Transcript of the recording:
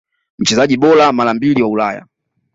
Mchezaji bora mara mbili wa Ulaya